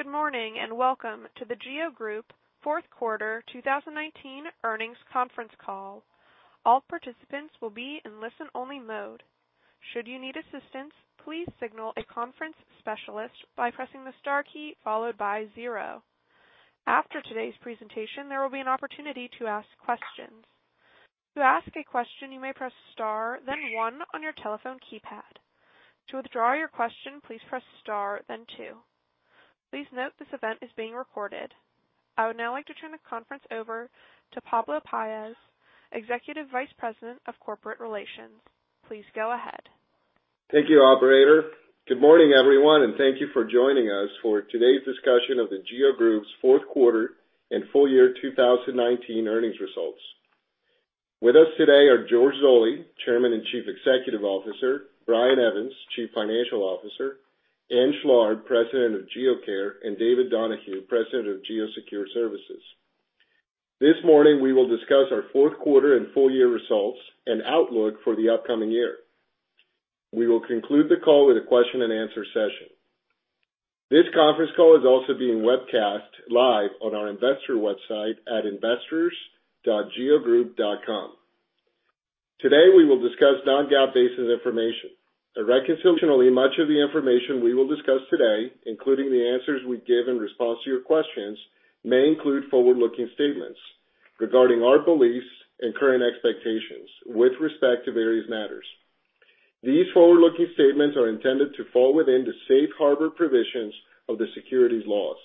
Good morning, and welcome to The GEO Group fourth quarter 2019 earnings conference call. All participants will be in listen-only mode. Should you need assistance, please signal a conference specialist by pressing the star key followed by zero. After today's presentation, there will be an opportunity to ask questions. To ask a question, you may press star then one on your telephone keypad. To withdraw your question, please press star then two. Please note this event is being recorded. I would now like to turn the conference over to Pablo Paez, Executive Vice President of Corporate Relations. Please go ahead. Thank you, operator. Good morning, everyone, and thank you for joining us for today's discussion of The GEO Group's fourth quarter and full year 2019 earnings results. With us today are George Zoley, Chairman and Chief Executive Officer, Brian Evans, Chief Financial Officer, Ann Schlarb, President of GEO Care, and David Donahue, President of GEO Secure Services. This morning, we will discuss our fourth quarter and full year results and outlook for the upcoming year. We will conclude the call with a question and answer session. This conference call is also being webcast live on our investor website at investors.geogroup.com. Today, we will discuss non-GAAP basis information. Additionally, much of the information we will discuss today, including the answers we give in response to your questions, may include forward-looking statements regarding our beliefs and current expectations with respect to various matters. These forward-looking statements are intended to fall within the safe harbor provisions of the securities laws.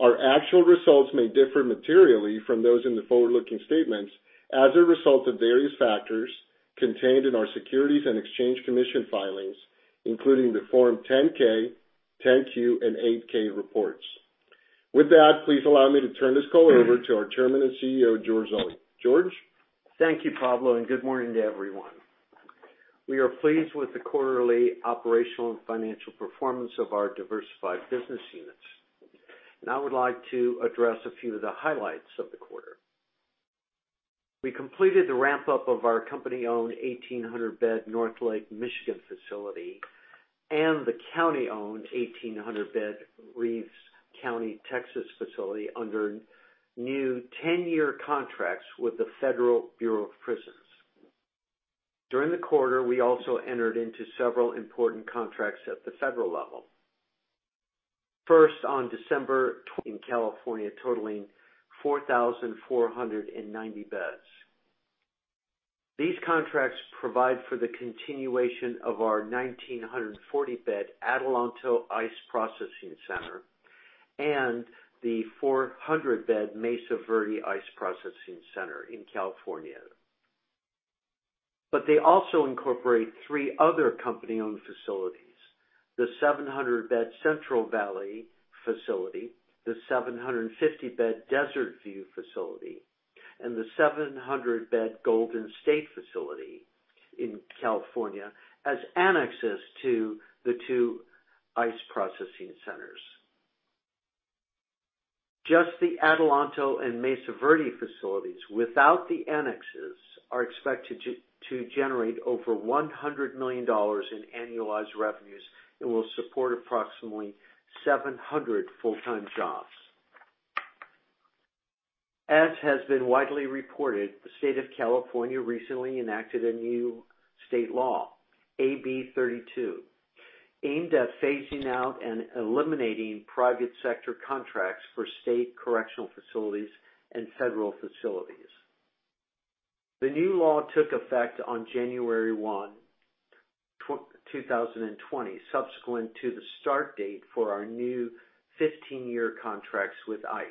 Our actual results may differ materially from those in the forward-looking statements as a result of various factors contained in our Securities and Exchange Commission filings, including the Form 10-K, 10-Q, and 8-K reports. With that, please allow me to turn this call over to our Chairman and CEO, George Zoley. George? Thank you, Pablo. Good morning to everyone. We are pleased with the quarterly operational and financial performance of our diversified business units, and I would like to address a few of the highlights of the quarter. We completed the ramp-up of our company-owned 1,800-bed North Lake Michigan facility and the county-owned 1,800-bed Reeves County, Texas, facility under new 10-year contracts with the Federal Bureau of Prisons. During the quarter, we also entered into several important contracts at the federal level. First, on December, in California totaling 4,490 beds. These contracts provide for the continuation of our 1,940-bed Adelanto ICE Processing Center and the 400-bed Mesa Verde ICE Processing Center in California. They also incorporate three other company-owned facilities, the 700-bed Central Valley facility, the 750-bed Desert View facility, and the 700-bed Golden State facility in California as annexes to the two ICE processing centers. Just the Adelanto and Mesa Verde facilities, without the annexes, are expected to generate over $100 million in annualized revenues and will support approximately 700 full-time jobs. As has been widely reported, the state of California recently enacted a new state law, AB 32, aimed at phasing out and eliminating private sector contracts for state correctional facilities and federal facilities. The new law took effect on January 1, 2020, subsequent to the start date for our new 15-year contracts with ICE.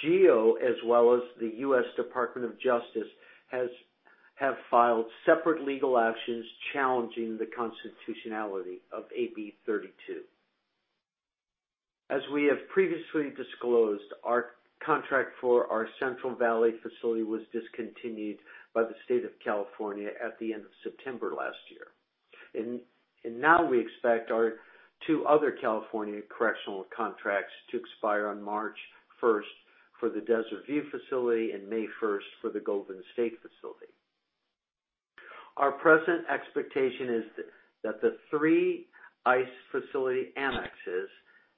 GEO, as well as the U.S. Department of Justice, have filed separate legal actions challenging the constitutionality of AB 32. As we have previously disclosed, our contract for our Central Valley facility was discontinued by the state of California at the end of September last year. Now we expect our two other California correctional contracts to expire on March 1st for the Desert View facility and May 1st for the Golden State facility. Our present expectation is that the three ICE facility annexes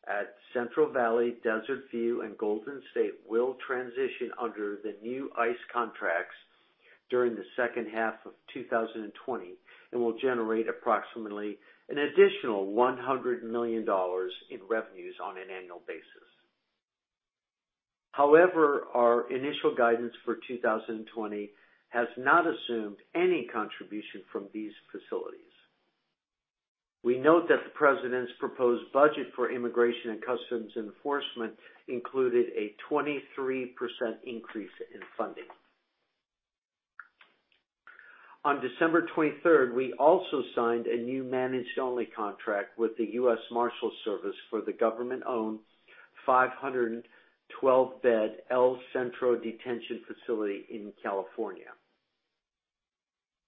at Central Valley, Desert View, and Golden State will transition under the new ICE contracts during the second half of 2020 and will generate approximately an additional $100 million in revenues on an annual basis. However, our initial guidance for 2020 has not assumed any contribution from these facilities. We note that the President's proposed budget for Immigration and Customs Enforcement included a 23% increase in funding. On December 23rd, we also signed a new managed only contract with the U.S. Marshals Service for the government-owned 512-bed El Centro Detention Facility in California.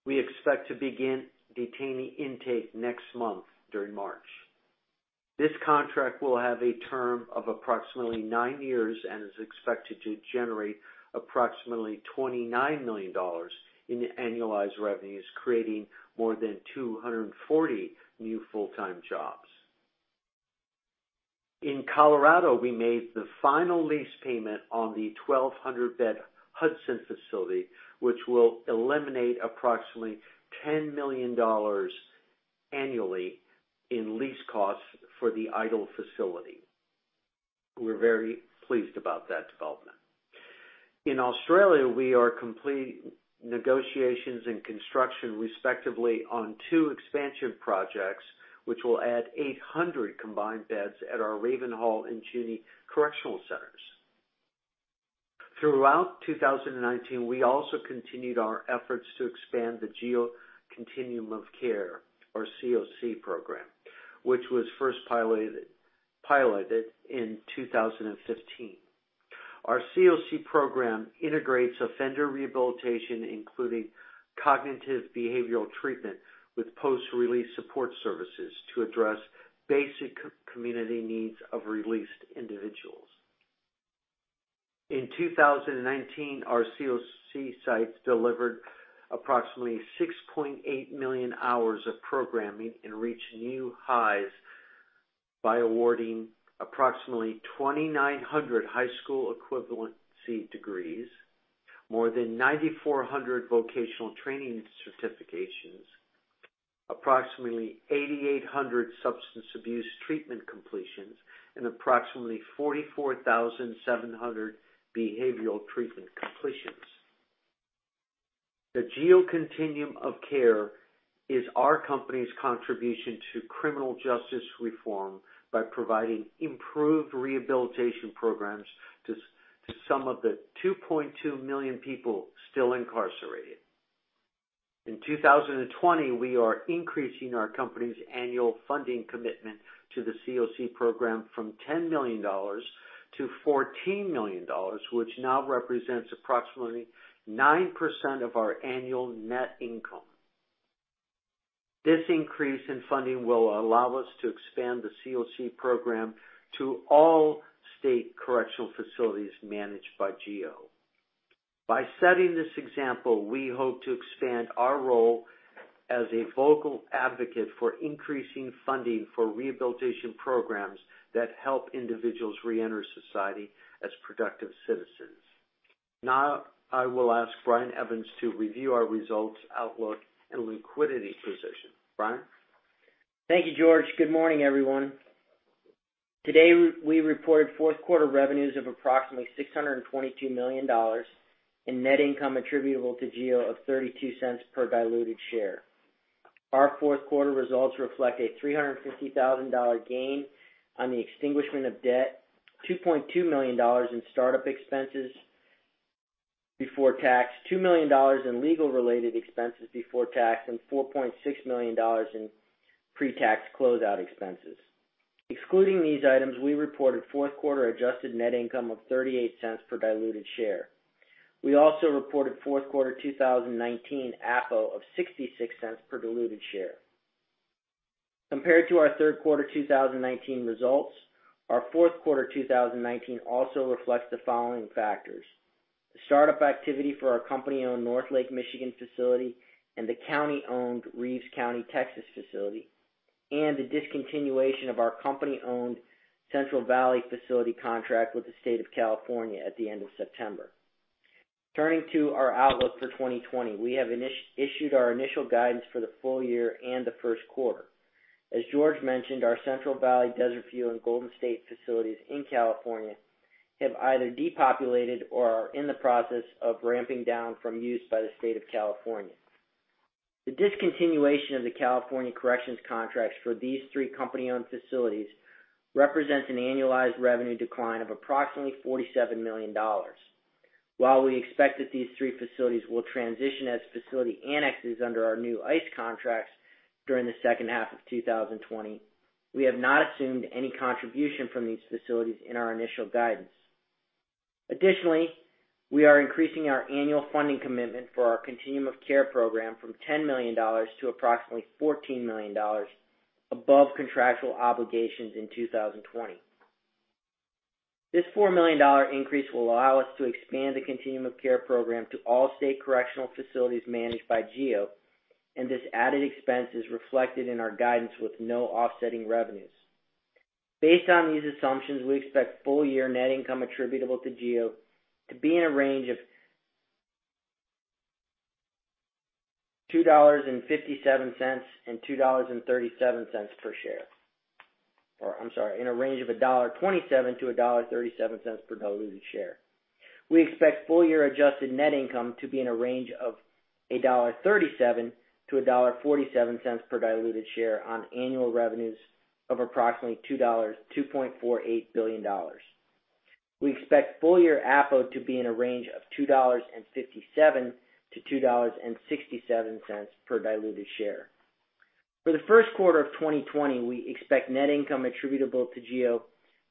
We expect to begin detainee intake next month, during March. This contract will have a term of approximately nine years and is expected to generate approximately $29 million in annualized revenues, creating more than 240 new full-time jobs. In Colorado, we made the final lease payment on the 1,200-bed Hudson facility, which will eliminate approximately $10 million annually in lease costs for the idle facility. We're very pleased about that development. In Australia, we are completing negotiations and construction respectively on two expansion projects, which will add 800 combined beds at our Ravenhall and Junee Correctional Centers. Throughout 2019, we also continued our efforts to expand the GEO Continuum of Care, or CoC program, which was first piloted in 2015. Our CoC program integrates offender rehabilitation, including cognitive behavioral treatment, with post-release support services to address basic community needs of released individuals. In 2019, our CoC sites delivered approximately 6.8 million hours of programming and reached new highs by awarding approximately 2,900 high school equivalency degrees, more than 9,400 vocational training certifications, approximately 8,800 substance abuse treatment completions, and approximately 44,700 behavioral treatment completions. The GEO Continuum of Care is our company's contribution to criminal justice reform by providing improved rehabilitation programs to some of the 2.2 million people still incarcerated. In 2020, we are increasing our company's annual funding commitment to the CoC program from $10 million to $14 million, which now represents approximately 9% of our annual net income. This increase in funding will allow us to expand the CoC program to all state correctional facilities managed by GEO. By setting this example, we hope to expand our role as a vocal advocate for increasing funding for rehabilitation programs that help individuals reenter society as productive citizens. Now, I will ask Brian Evans to review our results, outlook, and liquidity position. Brian? Thank you, George. Good morning, everyone. Today, we reported fourth quarter revenues of approximately $622 million and net income attributable to GEO of $0.32 per diluted share. Our fourth quarter results reflect a $350,000 gain on the extinguishment of debt, $2.2 million in start-up expenses before tax, $2 million in legal-related expenses before tax, and $4.6 million in pre-tax close-out expenses. Excluding these items, we reported fourth quarter adjusted net income of $0.38 per diluted share. We also reported fourth quarter 2019 APO of $0.66 per diluted share. Compared to our third quarter 2019 results, our fourth quarter 2019 also reflects the following factors: the startup activity for our company-owned North Lake Michigan facility and the county-owned Reeves County, Texas, facility, and the discontinuation of our company-owned Central Valley facility contract with the state of California at the end of September. Turning to our outlook for 2020, we have issued our initial guidance for the full year and the first quarter. As George mentioned, our Central Valley, Desert View, and Golden State facilities in California have either depopulated or are in the process of ramping down from use by the state of California. The discontinuation of the California corrections contracts for these three company-owned facilities represents an annualized revenue decline of approximately $47 million. While we expect that these three facilities will transition as facility annexes under our new ICE contracts during the second half of 2020, we have not assumed any contribution from these facilities in our initial guidance. Additionally, we are increasing our annual funding commitment for our Continuum of Care program from $10 million to approximately $14 million above contractual obligations in 2020. This $4 million increase will allow us to expand the Continuum of Care program to all state correctional facilities managed by GEO. This added expense is reflected in our guidance with no offsetting revenues. Based on these assumptions, we expect full-year net income attributable to GEO to be in a range of $2.57 and $2.37 per share. Or, I'm sorry, in a range of $1.27 to $1.37 per diluted share. We expect full-year adjusted net income to be in a range of $1.37 to $1.47 per diluted share on annual revenues of approximately $2.48 billion. We expect full-year APO to be in a range of $2.57 to $2.67 per diluted share. For the first quarter of 2020, we expect net income attributable to GEO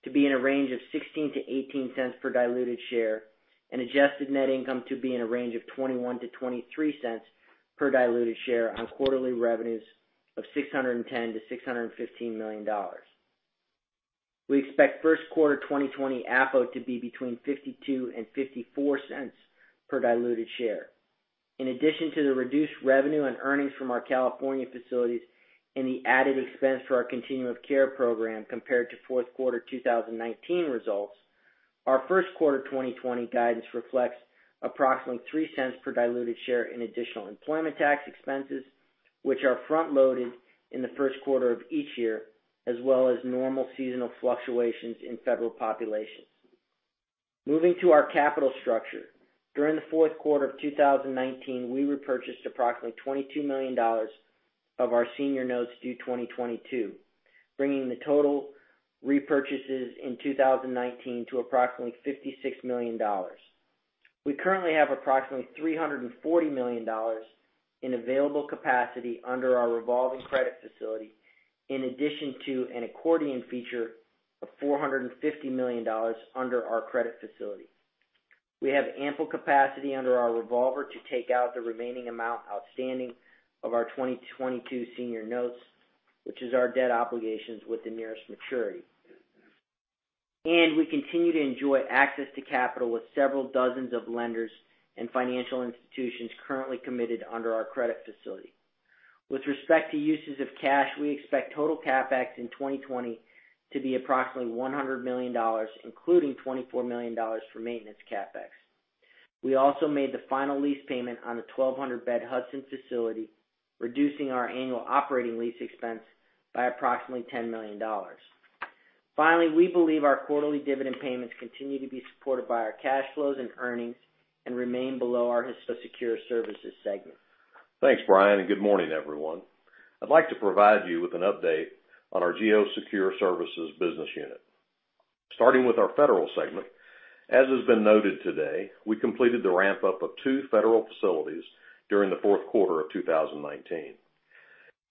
to be in a range of $0.16-$0.18 per diluted share, and adjusted net income to be in a range of $0.21-$0.23 per diluted share on quarterly revenues of $610 million-$615 million. We expect first quarter 2020 APO to be between $0.52 and $0.54 per diluted share. In addition to the reduced revenue and earnings from our California facilities and the added expense for our Continuum of Care program compared to fourth quarter 2019 results, our first quarter 2020 guidance reflects approximately $0.03 per diluted share in additional employment tax expenses, which are front-loaded in the first quarter of each year, as well as normal seasonal fluctuations in federal populations. Moving to our capital structure. During the fourth quarter of 2019, we repurchased approximately $22 million of our senior notes due 2022, bringing the total repurchases in 2019 to approximately $56 million. We currently have approximately $340 million in available capacity under our revolving credit facility, in addition to an accordion feature of $450 million under our credit facility. We have ample capacity under our revolver to take out the remaining amount outstanding of our 2022 senior notes, which is our debt obligations with the nearest maturity. We continue to enjoy access to capital with several dozens of lenders and financial institutions currently committed under our credit facility. With respect to uses of cash, we expect total CapEx in 2020 to be approximately $100 million, including $24 million for maintenance CapEx. We also made the final lease payment on the 1,200-bed Hudson facility, reducing our annual operating lease expense by approximately $10 million. Finally, we believe our quarterly dividend payments continue to be supported by our cash flows and earnings and remain below our Secure Services segment. Thanks, Brian, and good morning, everyone. I'd like to provide you with an update on our GEO Secure Services business unit. Starting with our federal segment, as has been noted today, we completed the ramp-up of two federal facilities during the fourth quarter of 2019.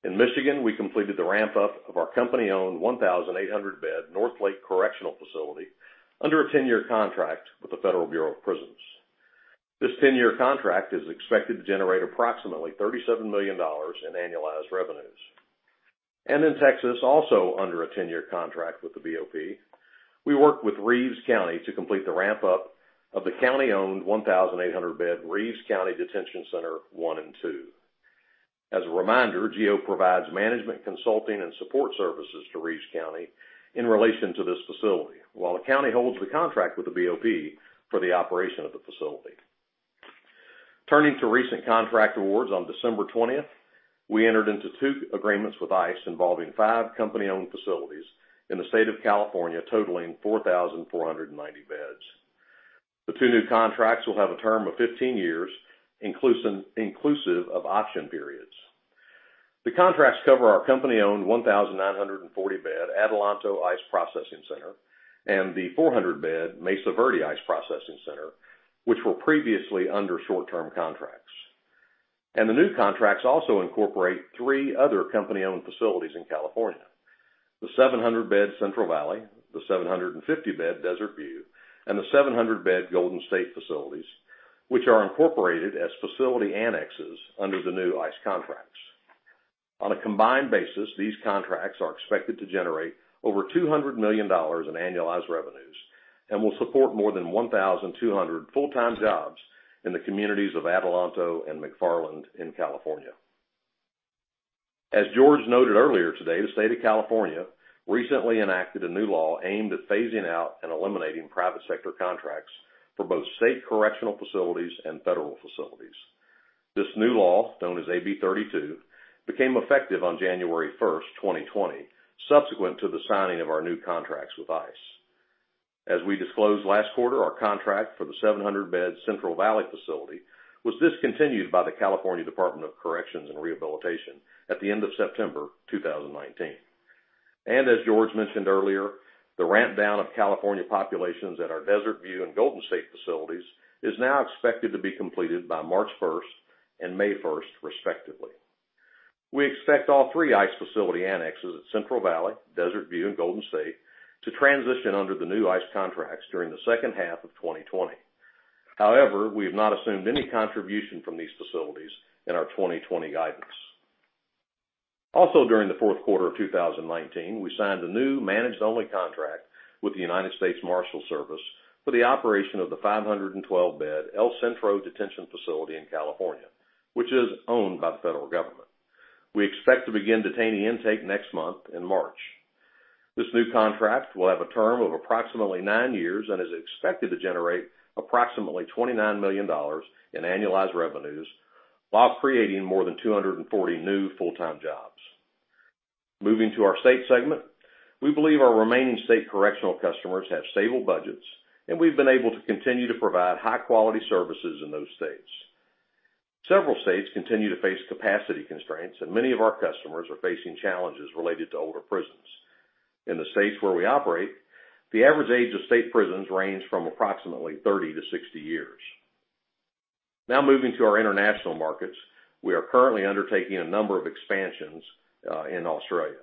In Michigan, we completed the ramp-up of our company-owned 1,800-bed North Lake Correctional Facility under a 10-year contract with the Federal Bureau of Prisons. This 10-year contract is expected to generate approximately $37 million in annualized revenues. In Texas, also under a 10-year contract with the BOP, we worked with Reeves County to complete the ramp-up of the county-owned 1,800-bed Reeves County Detention Center I&II. As a reminder, GEO provides management consulting and support services to Reeves County in relation to this facility, while the county holds the contract with the BOP for the operation of the facility. Turning to recent contract awards, on December 20th, we entered into two agreements with ICE involving five company-owned facilities in the state of California, totaling 4,490 beds. The two new contracts will have a term of 15 years, inclusive of option periods. The contracts cover our company-owned 1,940-bed Adelanto ICE Processing Center and the 400-bed Mesa Verde ICE Processing Center, which were previously under short-term contracts. The new contracts also incorporate three other company-owned facilities in California: the 700-bed Central Valley, the 750-bed Desert View, and the 700-bed Golden State facilities, which are incorporated as facility annexes under the new ICE contracts. On a combined basis, these contracts are expected to generate over $200 million in annualized revenues and will support more than 1,200 full-time jobs in the communities of Adelanto and McFarland in California. As George noted earlier today, the state of California recently enacted a new law aimed at phasing out and eliminating private sector contracts for both state correctional facilities and federal facilities. This new law, known as AB 32, became effective on January 1st, 2020, subsequent to the signing of our new contracts with ICE. As we disclosed last quarter, our contract for the 700-bed Central Valley facility was discontinued by the California Department of Corrections and Rehabilitation at the end of September 2019. As George mentioned earlier, the ramp-down of California populations at our Desert View and Golden State facilities is now expected to be completed by March 1st and May 1st, respectively. We expect all three ICE facility annexes at Central Valley, Desert View, and Golden State to transition under the new ICE contracts during the second half of 2020. However, we have not assumed any contribution from these facilities in our 2020 guidance. Also during the fourth quarter of 2019, we signed a new managed only contract with the United States Marshals Service for the operation of the 512-bed El Centro Detention Facility in California, which is owned by the federal government. We expect to begin detainee intake next month in March. This new contract will have a term of approximately nine years and is expected to generate approximately $29 million in annualized revenues while creating more than 240 new full-time jobs. Moving to our state segment, we believe our remaining state correctional customers have stable budgets, and we've been able to continue to provide high-quality services in those states. Several states continue to face capacity constraints, and many of our customers are facing challenges related to older prisons. In the states where we operate, the average age of state prisons range from approximately 30-60 years. Moving to our international markets, we are currently undertaking a number of expansions in Australia.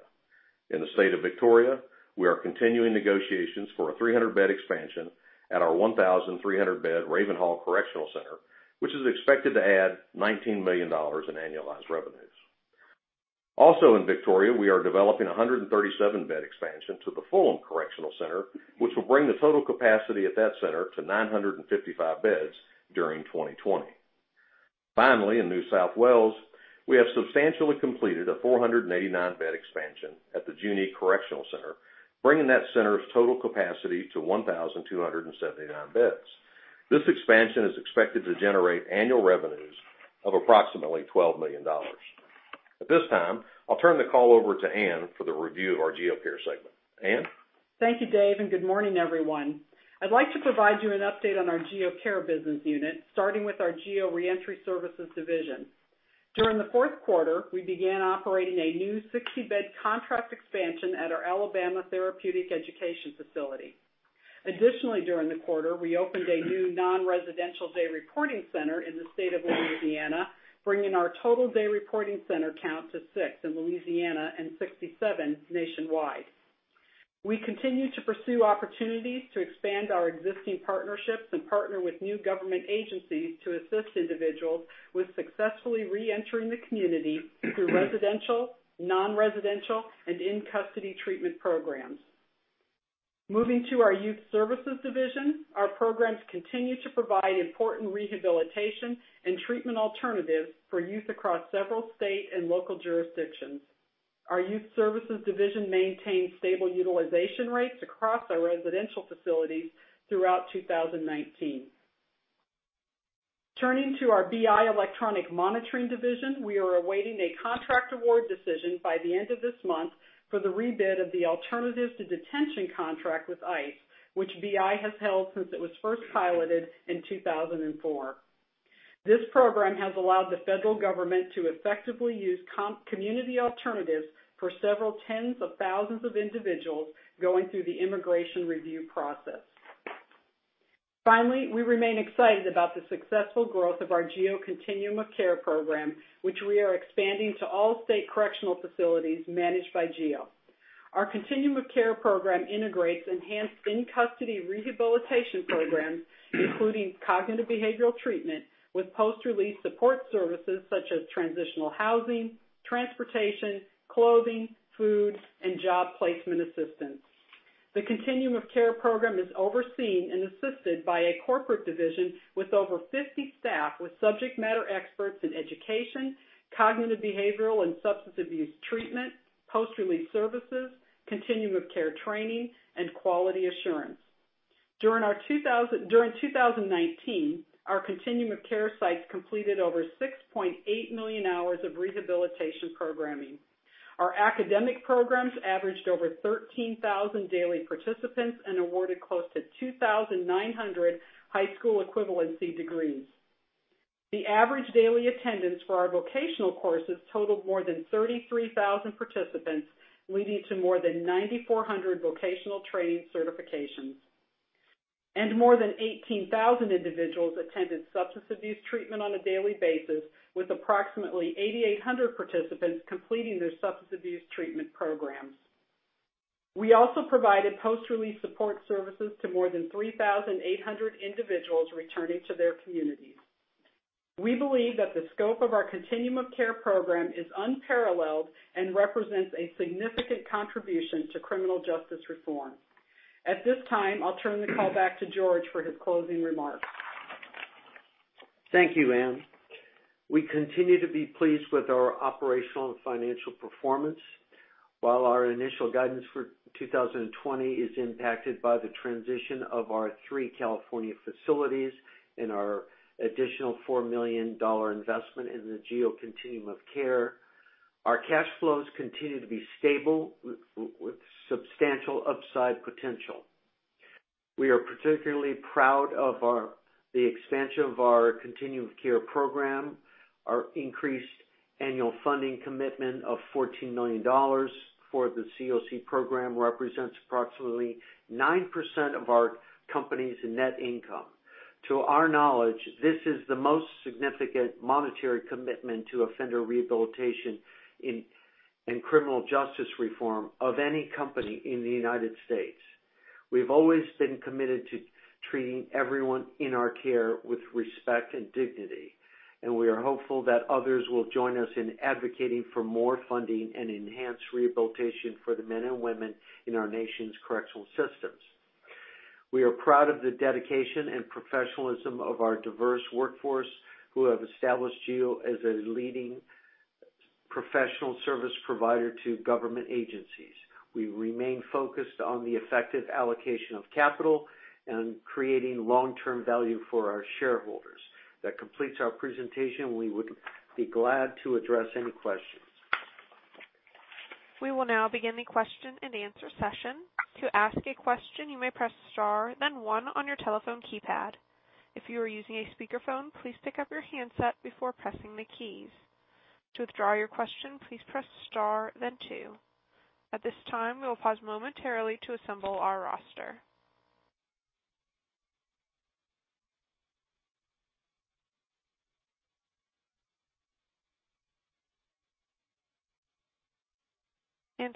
In the state of Victoria, we are continuing negotiations for a 300-bed expansion at our 1,300-bed Ravenhall Correctional Center, which is expected to add $19 million in annualized revenues. Also in Victoria, we are developing a 137-bed expansion to the Fulham Correctional Center, which will bring the total capacity at that center to 955 beds during 2020. Finally, in New South Wales, we have substantially completed a 489-bed expansion at the Junee Correctional Center, bringing that center's total capacity to 1,279 beds. This expansion is expected to generate annual revenues of approximately $12 million. At this time, I'll turn the call over to Ann for the review of our GEO Care segment. Ann? Thank you, Dave, and good morning, everyone. I'd like to provide you an update on our GEO Care business unit, starting with our GEO Reentry Services division. During the fourth quarter, we began operating a new 60-bed contract expansion at our Alabama Therapeutic Education Facility. Additionally, during the quarter, we opened a new non-residential day reporting center in the state of Louisiana, bringing our total day reporting center count to six in Louisiana and 67 nationwide. We continue to pursue opportunities to expand our existing partnerships and partner with new government agencies to assist individuals with successfully reentering the community through residential, non-residential, and in-custody treatment programs. Moving to our Youth Services Division, our programs continue to provide important rehabilitation and treatment alternatives for youth across several state and local jurisdictions. Our Youth Services Division maintained stable utilization rates across our residential facilities throughout 2019. Turning to our BI Electronic Monitoring division, we are awaiting a contract award decision by the end of this month for the rebid of the Alternatives to Detention contract with ICE, which BI has held since it was first piloted in 2004. This program has allowed the federal government to effectively use community alternatives for several tens of thousands of individuals going through the immigration review process. Finally, we remain excited about the successful growth of our GEO Continuum of Care program, which we are expanding to all state correctional facilities managed by GEO. Our Continuum of Care program integrates enhanced in-custody rehabilitation programs, including cognitive behavioral treatment, with post-release support services such as transitional housing, transportation, clothing, food, and job placement assistance. The Continuum of Care program is overseen and assisted by a corporate division with over 50 staff with subject matter experts in education, cognitive behavioral and substance abuse treatment, post-release services, Continuum of Care training, and quality assurance. During 2019, our Continuum of Care sites completed over 6.8 million hours of rehabilitation programming. Our academic programs averaged over 13,000 daily participants and awarded close to 2,900 high school equivalency degrees. The average daily attendance for our vocational courses totaled more than 33,000 participants, leading to more than 9,400 vocational training certifications. More than 18,000 individuals attended substance abuse treatment on a daily basis, with approximately 8,800 participants completing their substance abuse treatment programs. We also provided post-release support services to more than 3,800 individuals returning to their communities. We believe that the scope of our Continuum of Care program is unparalleled and represents a significant contribution to criminal justice reform. At this time, I'll turn the call back to George for his closing remarks. Thank you, Ann. We continue to be pleased with our operational and financial performance. While our initial guidance for 2020 is impacted by the transition of our three California facilities and our additional $4 million investment in the GEO Continuum of Care, our cash flows continue to be stable with substantial upside potential. We are particularly proud of the expansion of our Continuum of Care program. Our increased annual funding commitment of $14 million for the CoC program represents approximately 9% of our company's net income. To our knowledge, this is the most significant monetary commitment to offender rehabilitation and criminal justice reform of any company in the United States. We've always been committed to treating everyone in our care with respect and dignity, and we are hopeful that others will join us in advocating for more funding and enhanced rehabilitation for the men and women in our nation's correctional systems. We are proud of the dedication and professionalism of our diverse workforce, who have established GEO as a leading professional service provider to government agencies. We remain focused on the effective allocation of capital and creating long-term value for our shareholders. That completes our presentation. We would be glad to address any questions. We will now begin the question and answer session. To ask a question, you may press star then one on your telephone keypad. If you are using a speakerphone, please pick up your handset before pressing the keys. To withdraw your question, please press star then two. At this time, we will pause momentarily to assemble our roster.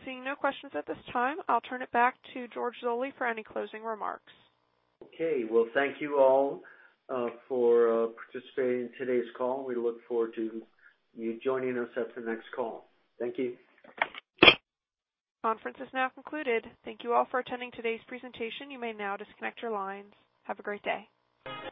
Seeing no questions at this time, I'll turn it back to George Zoley for any closing remarks. Okay. Well, thank you all for participating in today's call. We look forward to you joining us at the next call. Thank you. Conference is now concluded. Thank you all for attending today's presentation. You may now disconnect your lines. Have a great day.